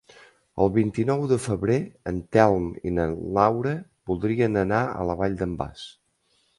El vint-i-nou de febrer en Telm i na Laura voldrien anar a la Vall d'en Bas.